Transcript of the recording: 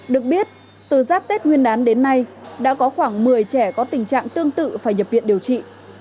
được biết từ giáp tết nguyên đán đến nay đã có khoảng một mươi trẻ có tình trạng tương tự phải nhập viện điều trị